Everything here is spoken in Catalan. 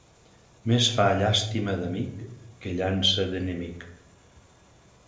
Més fa llàstima d'amic que llança d'enemic.